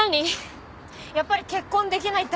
やっぱり結婚できないって話？